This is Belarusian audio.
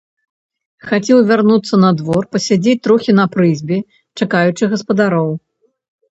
Хацеў вярнуцца на двор, пасядзець трохі на прызбе, чакаючы гаспадароў.